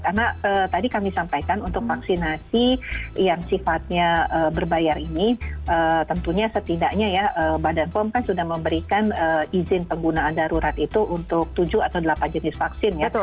karena tadi kami sampaikan untuk vaksinasi yang sifatnya berbayar ini tentunya setidaknya ya badan pom kan sudah memberikan izin penggunaan darurat itu untuk tujuh atau delapan jenis vaksin ya